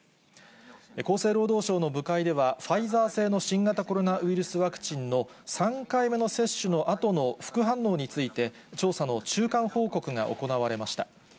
厚生労働省の部会では、ファイザー製の新型コロナワクチンの３回目の接種のあとの副反応について、調査の中間報告が行われました。